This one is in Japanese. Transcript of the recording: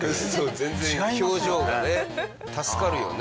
全然表情がね助かるよね。